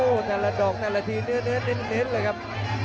โอ้ดังละดอกดังละทีเนื้อนิดเลยครับ